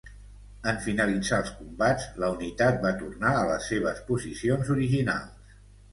En finalitzar els combats la unitat va tornar a les seves posicions originals.